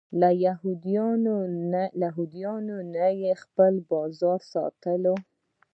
له یهودیانو نه یې خپل بازار ساتلی.